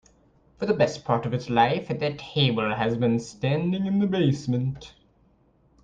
For the best part of its life, the table has been standing in the basement.